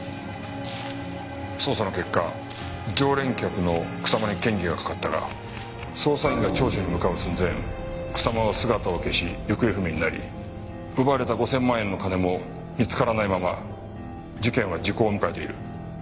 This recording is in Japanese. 捜査の結果常連客の草間に嫌疑がかかったが捜査員が聴取に向かう寸前草間は姿を消し行方不明になり奪われた５千万円の金も見つからないまま事件は時効を迎えている。